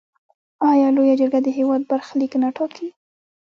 آیا لویه جرګه د هیواد برخلیک نه ټاکي؟